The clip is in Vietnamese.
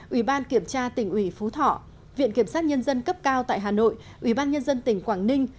ủy ban kiểm tra tỉnh ủy phú thọ viện kiểm sát nhân dân cấp cao tại hà nội ủy ban nhân dân tỉnh quảng ninh